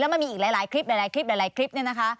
และมันมีอีกหลายคลิปครับ